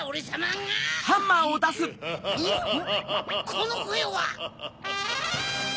このこえは！